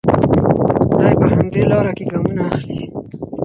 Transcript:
دی په همدې لاره کې ګامونه اخلي.